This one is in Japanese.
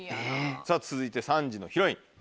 さぁ続いて３時のヒロイン。